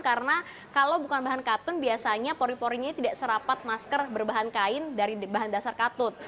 karena kalau bukan bahan katun biasanya pori porinya tidak serapat masker berbahan kain dari bahan dasar katun